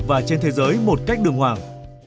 và trên thế giới một cách đường hoảng